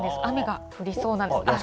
雨が降りそうなんです。